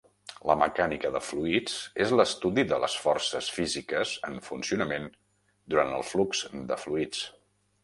La mecànica de fluids és l'estudi de les forces físiques en funcionament durant el flux de fluids.